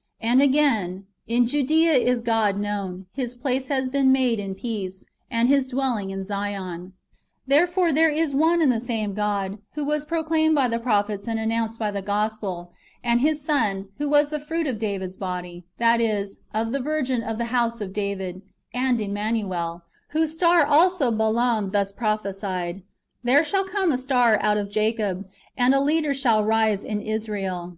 "^ And again :" In Judea is God known ; His place has been made in peace, and His dwelling in Zion."'' Therefore there is one and the same God, who was proclaimed by the prophets and announced by the gospel ; and His Son, who was of the fruit of David's body, that is, of the virgin of [the house of] David, and Emmanuel ; whose star also Balaam thus pro phesied :" There shall come a star out of Jacob, and a leader shall rise in Israel."